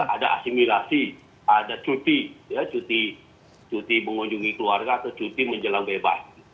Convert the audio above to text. ada asimilasi ada cuti cuti mengunjungi keluarga atau cuti menjelang bebas